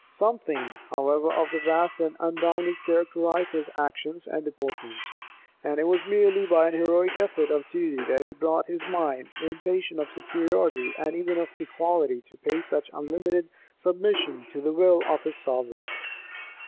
Something, however, of the vast and unbounded characterized his actions and deportment; and it was merely by an heroic effort of duty, that he brought his mind, impatient of superiority, and even of equality, to pay such unlimited submission to the will of his sovereign.